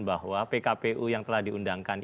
bahwa pkpu yang telah diundangkan